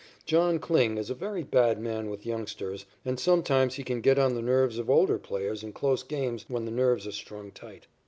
John Kling is a very bad man with youngsters, and sometimes he can get on the nerves of older players in close games when the nerves are strung tight.